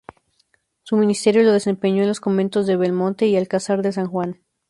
Su ministerio lo desempeñó en los conventos de Belmonte y Alcázar de San Juan.